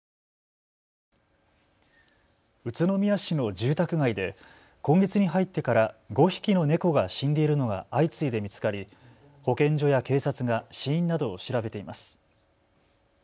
宇都宮市の住宅街で今月に入ってから５匹の猫が死んでいるのが相次いで見つかり保健所や警察が死因などを調べています。